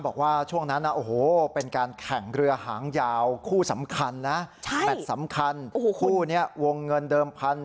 แบตสำคัญคู่นี้วงเงินเดิมพันธุ์